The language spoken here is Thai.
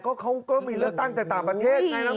ก็เขาก็มีเลือกตั้งจากต่างประเทศไงน้ำแท้